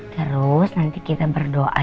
terus nanti kita berdoa